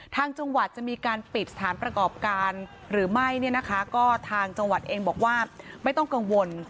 ทางจังหวัดจะมีการปิดสถานประกอบการหรือไม่เนี่ยนะคะก็ทางจังหวัดเองบอกว่าไม่ต้องกังวล